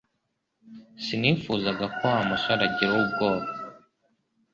Sinifuzaga ko Wa musore agira ubwoba